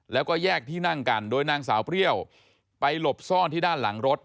แล้วก็แยกที่นั่งกันโดยนางสาวเปรี้ยวไปหลบซ่อนที่ด้านหลังรถ